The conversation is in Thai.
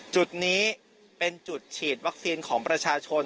จุดนี้เป็นจุดฉีดวัคซีนของประชาชน